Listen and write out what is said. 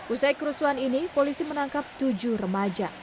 usai kerusuhan ini polisi menangkap tujuh remaja